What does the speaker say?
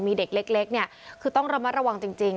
มีเด็กเล็กเล็กเนี้ยคือต้องระมัดระวังจริงจริง